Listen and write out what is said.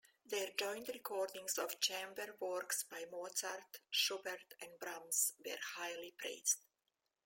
Their joint recordings of chamber works by Mozart, Schubert and Brahms were highly praised.